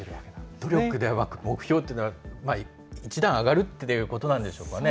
努力ではなく目標というのは一段上がるっていうことなんですかね。